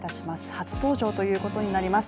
初登場ということになります。